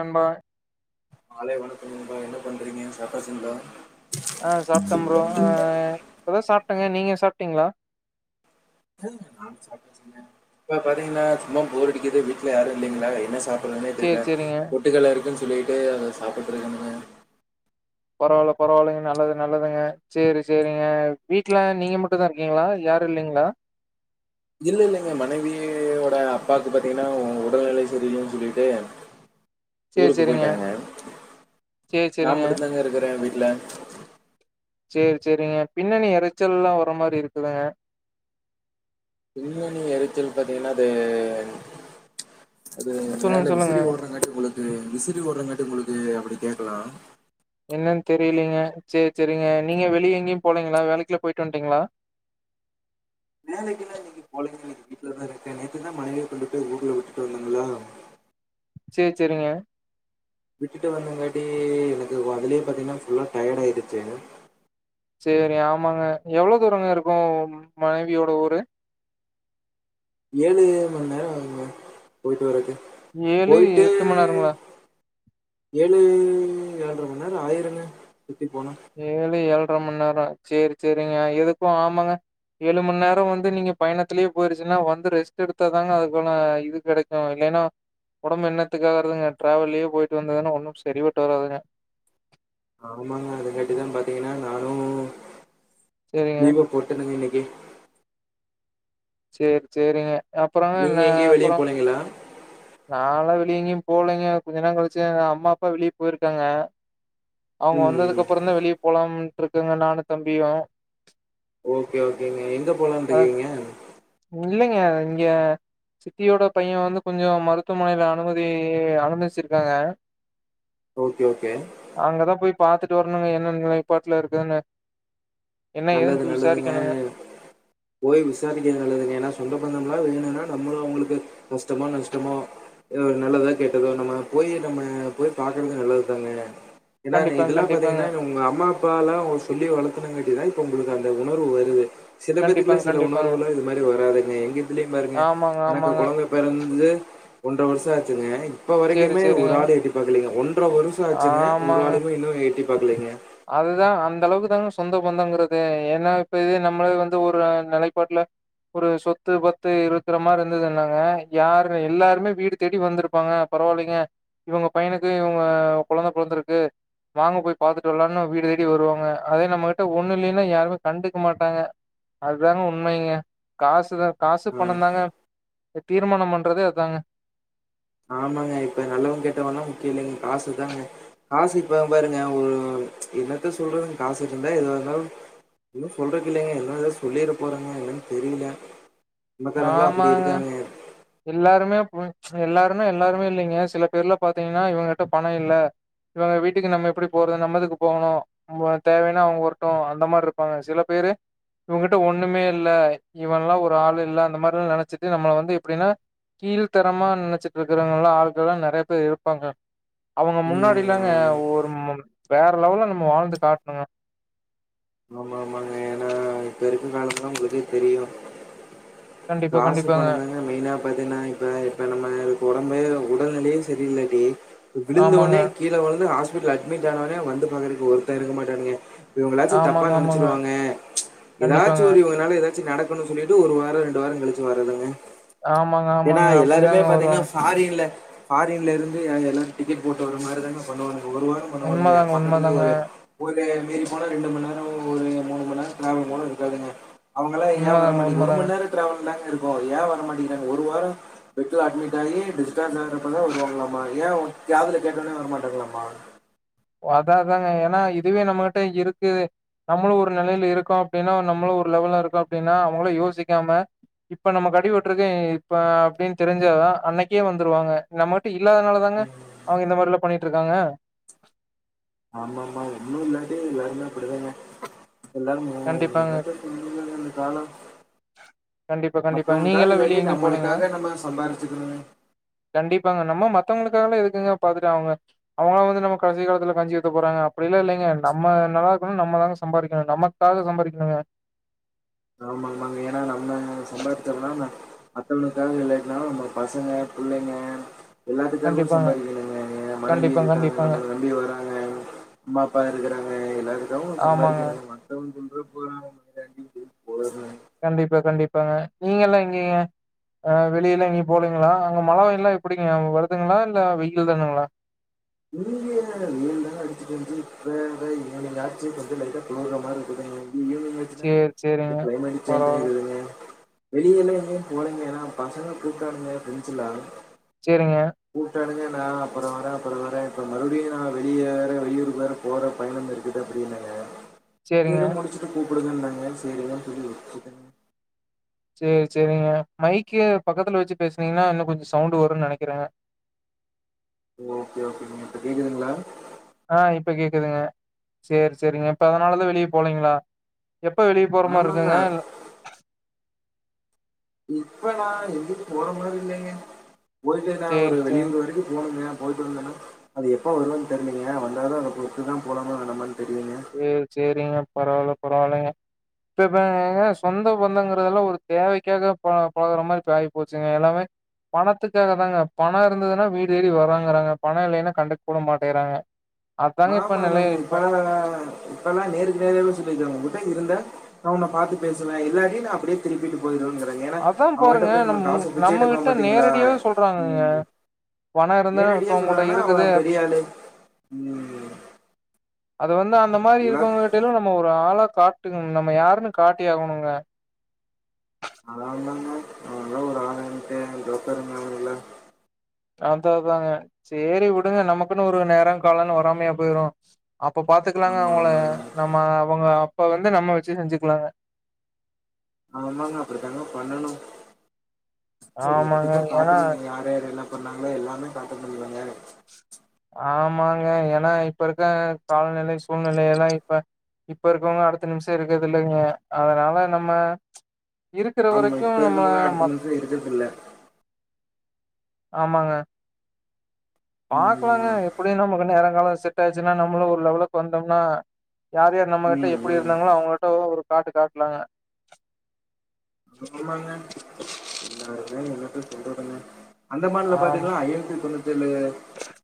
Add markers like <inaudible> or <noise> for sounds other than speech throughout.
ரம்பா மாலை வணக்கம் நண்பா என்ன பண்றீங்க சாப்ட்டாச்சுங்களா ஆ சாப்ட்டே ப்ரோ ஆ இப்பதா சாப்ட்டங்க நீங்க சாப்ட்டீங்களா நானு சாப்ட்டாச்சுங்க இப்ப பாத்தீங்கன்னா சும்மா போர் அடிக்குது வீட்ல யாரு இல்லைங்களா என்ன சாப் பறது சேரி தெரியல சேரிங்க பொட்டுக்கல்ல இருக்குன்னு சொல்லிட்டு அத சாப்ட்டுட்ருக்கனுங்க பரவால்ல பரவால்லைங்க நல்லது நல்லதுங்க சரி சரிங்க வீட்டுல நீங்க மட்டுந்தா இரு இருக்கீங்களா யாரு இல்லைங்களா இல்ல இல்லைங்க, மனைவியோட அப்பாக்கு பாத்தீங்கனா உடல்நிலை சரியில்லனு சொல்லிட்டு <inaudible> ஊருக்கு சேரிங்க போயிட்டாங்க, சேரி நா சேரிங்க மட்டுதாங்க இருக்கிறே வீட்ல சேரி சேரிங்க, பின்னணி எரைச்சல்லா வர மாரி இருக்குதுங்க பின்னணி எரைச்சல் பாத்தீங்கன்னா அது அது சொல்லுங்க மேல சொல்லுங்க விசிறி ஓடுறங் காட்டு உங்களுக்கு விசிறி ஓடுறங்காட்டு உங்களுக்கு அப்டி கேக்கலா என்னன்னு தெரியலீங்க, சேரி சேரிங்க நீங்க வெளிய எங்கேயு போலீங்களா வேலைக்குல போயிட்டு வந்துட்டீங்களா வேலைக்கிலா போலங்க இன்னைக்கி வீட்ல ட்லதா இருக்கே நேத்துதா மனைவி கொண்டு போய் ஊர்ல விட்டு வந்தங்களா சேரி சேரிங்க விட்டுட்டு வந்தங்காட்டி எனக்கு அதுலயே பாத்தீங்கன்னா ஃபுல்லா டயர்டாயிருச்சு சேரி, ஆமாங்க எவ்ளோ தூரங்க இருக்கு மனைவியோட ஊரு ஏழு மண்நேரம் ஆகுங்க போயிட்டு வரதுக்கு ஏழு போயிட்டு எட்டு மண் நேரங்களா ஏழு ஏழரைமண்நேரம் ஆயிருங்க சுத்தி போனா ஏழு ஏழரை மண்நேரம் சேரி சேரிங்க எதுக்கு ஆமாங்க ஏழு மண்நேரோ வந்து நீங்க பயணத்திலயே போயிருச்சுன்னா வந்து ரெஸ்ட் எடுத்தாதாங்க அதுக்கான இது கெடைக் கு இல்லைனா ஒடம்பு என்னத்துக்காகறதுங்க டிராவல்லயே போயிட்டு வந்ததுன்னா ஒன்னு சரிபட்டு வராதுங்க ஆமாங்க அதுங்கட்டிதா பாத்தீங்கன்னா நானு சேரிங்க லீவ போட்டனுங்க இன்னைக்கி சேரி சேரிங்க அப்பறங்க என்ன நீங்க எங்கேயு வெளிய அப்பறோ போலீங்களா நான்லா வெளிய எங்கேயு போலைங்க கொஞ்ச நேர கழிச்சு எங்க அம்மா, அப்பா வெளிய போயிருக்காங்க அவங்க ம் வந்ததுக்கு அப்பறந்தா வெளிய போலாம்ட்டு இருக்கங்க நானும் தம்பியு ஓகே ஓகேங்க, எங்க போலானு அ இருக்கீங்க இல்லைங்க இங்க சித்தியோட பையன் வந்து கொஞ்சோ மருத்துவமனையில அனுமதி அனுமதிச்சிருக்காங்க <inaudible> ஓகே ஓகே அங்கதா போய் பாத்துட்டு வரணுங்க என்ன நிலைப்பாட்டுல இருக்கான்னு என்ன ஏதுனு நல்லது போய் விசாரிக்கணுங்க நல்லதுங்க போய் விசாரிக்கிறது நல்லதுங்க ஏன்னா சொந்த பந்தம்லா வேணுனா நம்பளு அவங்களுக்கு கஷ்டமோ நஷ்டமோ ஏதோ ஒரு நல்லதோ கேட்டதோ நம்ம போய் நம்ம போய் பாக்குறது நல்லதுதாங்க ஏன்னா கண்டிப்பாங்க இதெல்லா கண்டிப்பாங்க பாத்தீங்கன்னா உங்க அம்மா அப்பாலா சொல்லி வளத்துனங்காட்டிதா இப் போ உங்களுக்கு அந்த உணர்வு வருது சில பேத்துக்குள்ள கண்டிப்பாங்க சில கண்டிப்பாங்க உணர்வுலா இது மாரி வராதுங்க எங்க இதுலயு பாருங்க ஆமாங்க எனக்கு ஆமாங்க கொழந்த பிறந்து ஒன்ட்ர வருஷம் ஆச்சிங்க இப்ப சரி வரைக்குமே ஒரு சரிங்க ஆள் எட்டி பாக்கலைங்க, ஒன்ட்ர வருஷோ ஆச்சுங்க ஒரு ஆளுமே இன்னு எட்டி பாக்கலைங்க அதுதா அந்தளவுக்குதாங்க சொந்த பந்தங்கிறது ஏன்னா இப்ப இதே நம்மளே வந்து ஒரு நிலைப்பாட்டுல ஒரு சொத்து பத்து இருக்கற மாரி இருந்துதுனாங்க யாரு எல்லாருமே வீடு தேடி வந்துருப்பாங்க பரவால்லீங்க இவங்க பையனுக்கு இவங்க கொழந்த பொறந்துருக்கு வாங்க போய் பாத்துட்டு வரலான்னு வீடு தேடி வருவாங்க, அதே நம்மகிட்ட ஒண்ணு இல்லீனா யாருமே கண்டுக்க மாட்டாங்க அதுதாங்க உண்மைங்க, காசுதா காசு ஆஹ் பணந்தாங்க தீர்மானம் பண்றதே அதாங்க ஆமாங்க இப்ப நல்லவ கெட்டவன்ல்லா முக்கிய இல்லைங்க காசுதாங்க காசு இப்பவுபாருங்க ஒரு என்னத்த சொல்றதுங்க காசு வச்சிருந்தா எதுவா இருந்தாலு ஒன்னு சொல்றக்கு இல்லைங்க என்ன ஏதாவது சொல்லிற போறங்க என்னன்னு தெரில ஆமாங்க எல்லாருமே போய் சோ எல்லாரும எல்லாருமே இல்லைங்க சில பேர்லா பாத்தீங்கன்னா இவங்கிட்ட பணோ இல்ல இவெ வீட்டுக்கு நம்ம எப்டி போறது நம்ம எதுக்கு போகணு நம்மோ தேவேனா அவ்ங்க வரட்டு அந்த மார் இருப்பாங்க சில பேரு இவங்கிட்ட ஒனனுமே இல்ல இவன்லா ஒரு ஆள் இல்ல அந்த மாரில்லா நெனச்சிட்டு நம்மள வந்து எப்டின்னா கீழ் தரமா நெனைச்சிட்டு இருக்கறவங்கலா ஆள்கள்ளா நெறைய பேர் இருப்பாங்க அவங்க ம் முன்னாடில்லாங்க ஆமா ஒரும் வேற லெவல்ல நம்ம வாழ்ந்து காட்ணுங்க ஆமா ஆமாங்க ஏனா இப்ப இருக்க காலம்லா உங்ளுக்கே தெரியு கண்டிப்பா காசு கண்டிப்பாங்க பணோதாங்க மெயினா பாத்திங்ன்னா இப்ப இப்ப நம்மள்க்கு ஒடம்பே உடல்நிலையே சரியில்லடி ஆமாங்க விழுந்தவனே கீழ விழுந்து ஹாஸ்பிட்டல் அட்மிட் ஆனவனே வந்து பாக்றக்கு ஒருத்த இருக்க மாட்டானுங்க இவங்களாச்சு தப்பா ஆமாங்க ஆமாங்க நெனைச்சிருவாங்க எதாச்சு கண்டிப்பாங்க. ஒரு னால எதாச்சு நடக்குனு சொல்லிட்டு ஒரு வாரோ ரெண்டு வாரோ கழிச்சு வர்றதுங்க ஆமாங்க, ஏனா ஆமாங்க. எல்லாருமே அப்படிதாங்க பாத்திங்கன்னா வருவாங்க. ஃபாரின்ல ஃபாரின்ல இருந்து எல்லாரு டிக்கெட் போட்டு வர மாரி தாங்க பண்ணுவாங்க ஒரு வாரோ ஒன்னோடது உண்மதாங்க, பக்கத்துலே உண்மதாங்க, ஒரு ஒரு மீறி போனா ரெண்டு மண் நேரோ ஒரு மூணு மண் நேரோ ட்ராவல் போன இருக்காதுங்க அவங்கல்லா ஏ வர உண்மதாங்க, மாட்டேக் ஒரு உண்மதாங்க. மண் நேரோ டிராவல் தாங்க இருக்கு ஏ வர மாட்டேங்றாங்க ஒரு வாரோ பெட்ல அட்மிட் ஆகி டிஸ்ஜார்ஜ் ஆகுறப்பதா வருவாங்கலாமா ஏ காதுல கேட்டோனே வர மாட்டாங்லாமா ஒ அதா அதாங்க ஏன்னா இதுவே நம்மட்ட இருக்குது நம்மளு ஒரு நெலையில இருக்கோ அப்டின்னா நம்மளு ஒரு லெவல்ல இருக்கோ அப்டின்னா அவுங்களு யோசிக்காம இப்ப நமக்கு அடிபட்ருக்கு இப்ப அப்டின்னு தெரிஞ்சாதா அன்னைக்கே வந்துருவாங்க நம்மள்ட்ட இல்லாதனால தாங்க அவுங்க இந்த மாரில்லா பண்ணிட்டுருக்காங்க ஆமா ஆமா ஒன்னு இல்லாட்டி எல்லாருமே அப்டிதாங்க எல்லாருமே கண்டிப்பாங்க. என்னத்த சொல்றதுங்க இந்த காலோ கண்டிப்பா, கண்டிப்பாங்க. மத்தவங்கள்க்காக நீங்கலாம் இல்லாட்டி வெளிய எங்கேயும் போலீங்களா? நம்மளுக்காக நம்ம சம்பார்ச்சுக்ணுங்க கண்டிப்பாங்க நம்ம மத்தவங்ளுக்காகல்ல எதுக்குங்க பாத்துட்டு அவுங்க அவங்கலா வந்து நம்ம கடைசி காலத்துல கஞ்சி ஊத்த போறாங்க அப்டில்லா இல்லைங்க நம்ம நல்லா இருக்கணு நம்ம தாங்க சம்பாதிக்கணு நமக் காக சம்பாரிக்ணுங்க ஆமா ஆமாங்க ஏன்னா நம்ம சம்பாரிச்சா தான மத்தவனுக்காக இல்லாட்டினாலு நம்ம பசங்க புள்ளைங்க எல்லாத்துக்காகவு கண்டிப்பாங்க சம்பாரிக்கணுங்க எ மனைவி கண்டிப்பா இருக்காங்க கண்டிப்பாங்க நம்மள நம்பி வராங்க அம்மா அப்பா இருக்றாங்க எல்லாருக்காவு ஆமாங்க சம்பாரிக்காணுலமா மத்தவ சொல்ற போறா <unintelligible> சொல்ட்டு போய்ரணு கண்டிப்பா கண்டிப்பாங்க நீங்கல்லா எங்கீங்க அ வெளியெல்லா எங்கேயு போலிங்களா அங்க மழ வெய்ல்லா எப்டிங்க வருதுங்ளா இல்ல வெயில் தானுங்ளா இங்க வெயில்தாங்க அடிச்சிட்டு இருந்துச்சி இப்பதா ஈவ்னிங் ஆச்சு கொஞ்ஜோ லைட்டா குளுர்ர மாரி இருக்குது சேரி இந்த சேரிங்க க்ளைமேட் சேஞ் பரவால ஆய்ருதுங்க வெளியெல்லா எங்கேயு போலைங்க ஏன்னா பசங்க கூப்டானுங்க ஃப்ரண்ட்ஸ்லா சேரிங்க கூப்டானுங்க நா அப்பறோ வரே அப்பறோ வரே இப்ப மறுபடியு நா வெளியே வேற வெளியூர்க்கு வேற போற பயணம் இருக்குது அப்டின்னங்க சேரிங்க சேரி முடிச்ட்டு கூப்டுங்கன்டாங்க சேரி அத சொல்ட்டு வுட்டுடங்க சேரி சேரிங்க மைக்கு பக்கத்துல வச்சு பேசுனிங்ன்னா இன்னு கொஞ்ஜோ சவுண்ட் வருனு நெனைக்றே ஓகே ஓகேங்க இப்ப கேக்குதுங்ளா ஆ இப்ப கேக்குதுங்க சேரி சேரிங்க அப்ப அதனாலதா வெளிய போலைங்ளா எப்ப வெளிய போற ஆமாங்க மார்ருக்குங்க இப்ப நா எங்யு போற மாரி இல்லைங்க போய்ட்டு நா சேரி ஒரு சேரி வெளியூர் வரைக்கு போனுங்க போய்ட்டு வந்தனா அது எப்ப வருவன் தெரிலைங்க வந்தோன அத பொருத்து தா போலாமா வேணாமா தெரியுங்க சேர் சேரிங்க பரவால்ல பரவால்லங்க இப்பங்கங்க சொந்த பந்தங்றதுலா ஒரு தேவைக்காக பா பாக்ற மாரி இப்ப ஆய்ப் போச்சுங்க எல்லாமே பணத்துக்காக தாங்க பண இருந்துதுனா வீடு தேடி வராங்றாங்க பண இல்லைனா கண்டுக்க கூட மாட்டிக்கிறாங்க ஆமா ஆமாங்க இப்பதானல்லா இப்பலா நேருக்கு நேராவே சொல்லிக்றாங்க உங்கிட்ட இருந்த நா உன்ன பாத்து பேசுவே இல்லாட்டி நா அப்டியே திருப்பிட்டு போயிருங்கிறாங்க ஏனா அதா அவ்ங்கள்ட்ட பாருங்க போய் நம்ம காச பிச்ச நம்ம எடுக்குரோ கிட்ட பாத்தீங்ளா நேரடியாவே சொல்றாங்கங்க ம் பணோ இருந்தா நேரடியா இப்ப உங்கட்ட சொல்றாங்கனா இருக்குது அவ்ங்கதா பெரியாளு ம் அது வந்து அந்த மாரி இல்ல இருக்கவ்ங்க கிட்டைலா நம்ம ஒரு ஆளா காட்டிக்னு நம்ம யாருன்னு காட்டி ஆகணுங்க அதனால்தா நா அவன்லா ஒரு ஆளுன்ட்டு ஜோக்கரு மாரி இல்ல அதாதாங்க சேரி விடுங்க நமக்குன்னு ஒரு நேர காலன்னு வராமையா போயிரு அப்ப பாத்துக்லாங்க ஆமா அவுங்கள ஆமாங்க. நம்ம அவுங்க அப்ப வந்து நம்ம வச்சு செஞ்சுக்லாங்க ஆமாங்க அப்டித்தாங்க பண்ணணு சேரி ஆமாங்க எதுக்கு ஏன்னா பாத்துகணு இங்க யாரு யாரு எ‌ல்லா சொன்னாங்ளோ எல்லாமே காட்ட முடியலங்க ஆமாங்க ஏனா இப்ப இருக்க காலநிலை சூழ்நிலையெல்லா இப்ப இப்ப இருக்கவ்ங்க அடுத்த நிம்ஷ இருக்கறது இல்லைங்க அதனால நம்ம இருக்கிற ஆமா வரைக்கு இப்ப நம்ம இருக்கவங்க அடுத்த மத் நிமிஷம் இருக்கிறதில்ல. ஆமாங்க பாக்கலாங்க ம். எப்டியு நமக்கு நேரங் கால செட் ஆச்சுனா நம்மளு ஒரு லெவலுக்கு வந்தம்னா யாரு யாரு நம்மகிட்ட ம். எப்டி ம். இருந்தாங்களோ அவ்ங்கள்ட்டோ ஒரு காட்டு காட்லாங்க ஆமாங்க எல்லா இருந்து என்னத்த சொல்றதுங்க ஆ அந்தமான்ல பாத்தீங்னா ஐயாயிரத்தி தொண்ணூத்தேழு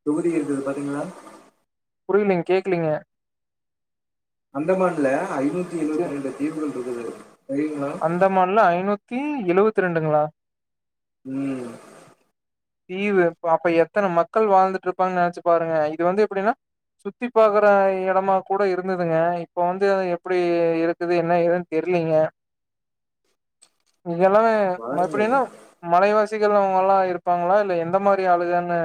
தொகுதி இருக்குது பாத்தீங்ளா புரியலைங் கேக்கலைங்க அந்தமான்ல ஐநூத்தி சே எழுவத்தி ரெண்டு தீவுகள் இருக்குது தெரியுங்ளா அந்தமான்ல ஐநூத்தி எழுவத்தி ரெண்டுங்ளா ம் தீவு அப் அப்ப எத்தன மக்கள் வாழ்ந்துட்ருப்பாங்கன் நெனைச்சு பாருங்க இது வந்து எப்டினா சுத்தி பாக்குற எடமா கூட இருந்ததுங்க இப்போ வந்து எப்டி இருந் தது என்ன ஏதுன் தெரிலைங்க நீங்கெல்லாமே ம பாருங்க எப்டினா மலைவாசிகள் அவ்ங்கல்லா இருப் ப்பாங்ளா இல்ல எந்த மாரி ஆளுகனு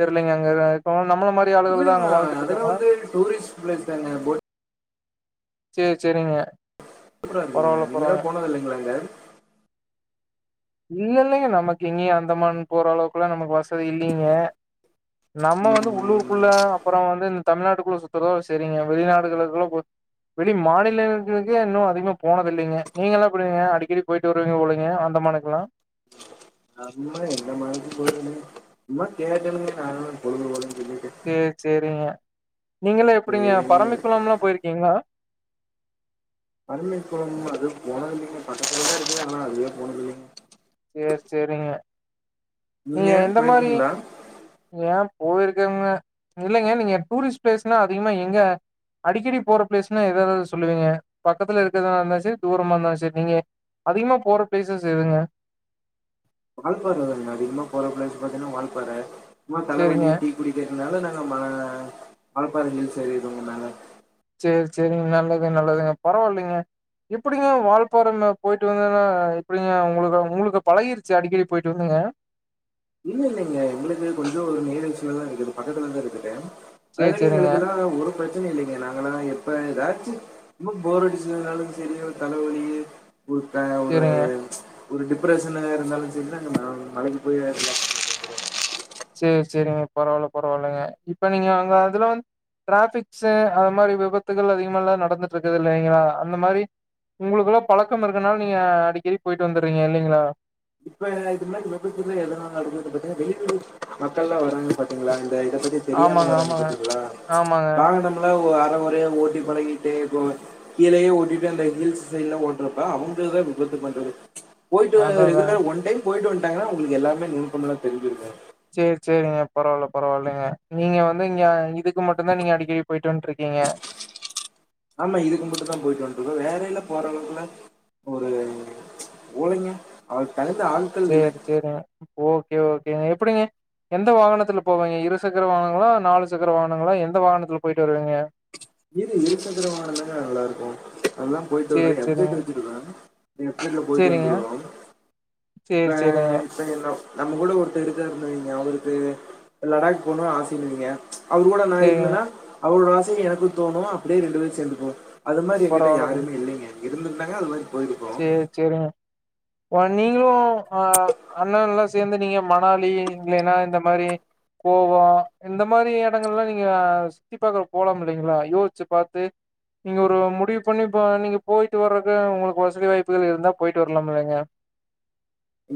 தெரிலைங்க அங்கதா இப்போ நம்மள மாத் இல்ல இல்ல அதெல்லா வந்து டூரிஸ்ட் பிளேஸ் தாங்க போட் சேரி சேரிங்க சூப்பரா இருக்குங்க பரவால்ல நீங்களா பரவால்ல போனதில்லைங்ளா அங்க இல்ல இல்லங்க நமக்கு எங்கேயு அந்தமான் போற அளவுக்குலா நமக்கு வசதி இல்லைங்க நம்ம வந்து உள்ளூரு குள்ள ம், அப்பற வந்து இந்த தமிழ்நாட்டுக்குள்ள சுத்துறதோட செரிங்க வெளிநாடுகளுக்குலா போய் வெளி மாநிலங்களுக்கே இன்னு அதிகமா போனதில்லைங்க நீங்கலா எப்டிங்க அடிக்கடி போயிட்டு வருவீங்க போலைங்க அந்தமானுக் குலா நம்ப எந்த மலைக்கு போரதில்லைங்க சும்மா கேட்டேனுங்க சாய்ந்தர பொழுது போகலன் சொல்லீட்டு சேர் சேரிங்க நீங்கள எப்டிங்க சரிங்க நீங்க பரமிக்குளம் லா போயிருக்கிங்ளா பரமிக்குளம் அது போனது இல்லிங்க பக்கத்துல தா இருக்கு ஆனா அதுவே போனதில்லிங்க சேரி சேரிங்க நீங்க எந்த மாரி ஏன் போயிருக்கங்க இல்லைங்க நீங்க டூரிஸ்ட் பிளேஸ்னா அதிகமா எங்க அடிக்கடி போற பிளேஸ்ன்னா எது எத சொல்லுவீங்க பக்கத்துல இருக்கறதா இருந்தாலு சேரி தூரமா இருந்தாலு சேரி நீங்க அதிகமா போற பிளேசஸ் எதுங்க வாழ்பார அதிக போற பளேஸ் பாத்திங்ன்னா வாழ்பார சும்மா தலவலி சேரிங்க டீ புடிக்கறதுனால நாங்க ம மலப்பாற ஹில்ஸ் எரிறுவோ மேல சேர் சேரிங்க நல்லது நல்லதுங்க பரவால்லிங்க எப்டிங்க வாழ்ப்பாற மே போய்ட்டு வந்ததுன்னா எப்டிங்க உங்களுக்கு உங்களுக்கு பழகிருச்சி அடிக்கடி போய்ட்டு வந்துங்க இல்ல இல்லலைங்க எங்களுக்கு கொஞ்சோ ஒரு நேரழ்ச்சியில தா இருக்குது பக்கத்துலதா இருக்குது சேரி அதனால சேரிங்க எங்களுக்கெல்லா ஒரு பிரச்சனையு இல்லிங்க நாங்கல்லா எப்ப எதாச்சு ரொம்ப போரடிச்சிதுனாலு செரி இல்ல தலவலி ஒருத்த ஒரு சேரிங்க ஒரு டிப்ரஷன் இருந்தாலு சரி அந்த மலைக்கி போய் சேர் சேரிங்க பரவால்ல பரவால்லங்க இப்ப நீங்க அங்க அதுல வந் ட்ராபிக்ஸு அந்த மாரி விபத்துகள் அதிகமால்லா நடந்துட்ருக்குது இல்லைங்களா அந்த மாரி உங்களுக்குலா பழக்கம் இருக்கனால நீங்க அடிக்கடி போயிட்டு வந்துறீங்க இல்லைங்களா இப்ப இது மாரி விபத்துகள் எதுனா நடக்குது பாத்திங்ன்னா வெளியூர் மக்கள்லா வராங்க பாத்திங்ளா இந்த இத பத்தி தெரியாம ஆமாங்க வராங்க ஆமாங்க பாத்திங்கலா ஆமாங்க வாகனம்லா ஓ அர கொறயா ஓட்டி பழகிட்டு கோ கீழயே ஓட்டிட்டு அந்த ஹில்ஸ் சைட்லா ஓட்றப்ப அவுங்கதா விபத்து பண்றது போய்ட்டு அதா அதாங்க ரெகுலரா ஒன் டைம் போய்ட்டு வந்டாங்கனா உங்களுக்கு எல்லாமே நுணுக்கம் லா தெரிஞ்சிருங்க சேர் சேரிங்க பரவால்ல பரவால்லைங்க நீங்க வந்து இங்க இதுக்கு மட்டுந்தான் நீங்க அடிக்கடி பைய்ட்டு வந்டுருக்கீங்க ஆமா இதுக்கும்பிட்டு தா போயிட்டு வந்ட்ருக்கோ வேரயேல்லா போறளவுக்குலா ஒரு போலங்க அதுக்கு தகுந்த ஆள் சேரி சேரிங்க ஓகே ஓகேங்க எப்புடிங்க எந்த வாகனத்துல போவங்க இரு சக்கர வாகனங்களா நாலு சக்கர வாகனங்களா எந்த வாகனத்துல போயிட்டு வருவீங்க இது இருசக்கர வாகனந்தாங்க நல்லாருக்கூ அதா போய்ட்டு வர சேரி சேரிங்க எப்ஜைட் வச்சுருக்கே எப்ஜைட்ல போய்ட்டு வந்துருவோ சேர் சேரிங்க இப்ப நம்ம கூட ஒருத்தர் இருக்றார்னு வைங்க அவருக்கு லடாக் போணுனு ஆசைனுவைங்க அவுரு கூட நா சேரிங்க இருந்தன்னா அவரோட ஆசை எனக்கு தோணு அப்டியே ரெண்டு பேரு சேந்துபோவோ அது மாரி எங்கிட்ட பரவால்லங்க யாருமே இல்லிங்க இருந்திருந்தாங்கன அது மாரி போய்ருப்போ சேர் சேரிங்க ஒ நீங்களு ஆ அண்ணல்லா சேந்து நீங்க மணாலி இல்லேனா இந்த மாரி கோவா இந்த மாரி எடங்கள்லா நீங்க சுத்தி பாக்க போலாம் இல்லைங்ளா யோச்சு பாத்து நீங்க ஒரு முடிவ் பண்ணி பா நீங்க போயிட்டு வர்க்கு உங்களுக்கு வசதி வாய்ப்புகள் இருந்தா போய்ட்டு வரலாம் இல்லைங்க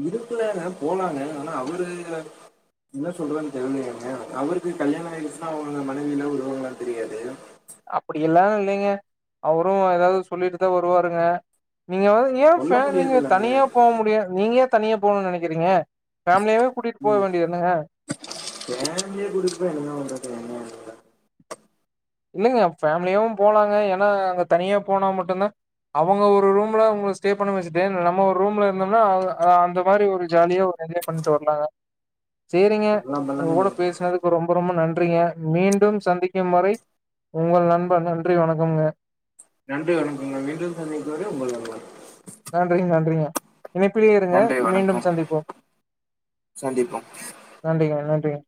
இருக்குலங்க போலாங்க ஆனா அவுரு என்ன சொல்றார்ன் தெர்லய்ங்க அவருக்கு கல்யாண ஆயிடுச்சுன்னா அவுங்க மனைவிலா வருவாங்ளானு தெரியாது அப்பிடியெல்லா இல்லைங்க அவரு ஏதாவ்து சொல்லிட்டு தா வருவாருங்க நீங்க வ ஏ சொல்ல சார் நீங்க முடியாது இல்லைங்க தனியா போ முடியா நீங்க ஏ தனியா போணுன் நெனக்கிறீங்க ஃபேமிலியாவே கூட்டிட் போவேண்டியதுன்னங்க ஃபேம்லிய கூட்டிட் போய் என்னங்க பண்றது <unintelligible> இல்லங்க ஃபேம்லியாவு போலாங்க ஏன்னா அங்க தனியா போனா மட்டுந்தா அவுங்க ஒரு ரூம்ல உங்கள ஸ்டே பண்ண வச்சுட்டு நம்ம ஒரு ரூம்ல இருந்தம்னா அந்த மாரி ஒரு ஜாலியா ஒரு என்ஜா பண்ட்டு வர்லங்க சேரிங்க பல்லாம் ஒங்க கூட பல்லாங்க பேசுனது ரொம்ப ரொம்ப நன்றிங்க மீண்டும் சந்திக்கும் வரை உங்கள் நண்பன் நன்றி வணக்கம்ங்க நன்றி வணக்கங்க மீண்டும் சந்திக்கும் வரை உங்கள் நண்பர் நன்றிங் நன்றிங்க இணைப்பிலே இருங்க நன்றி மீண்டும் வணக்கம் சந்திப்போம் சந்திப்போம் நன்றிங்க நன்றிங்க